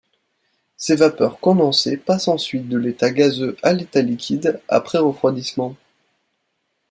Ces vapeurs condensées passent ensuite de l’état gazeux à l’état liquide après refroidissement.